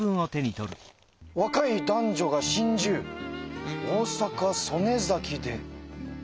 「若い男女が心中大阪・曽根崎で」。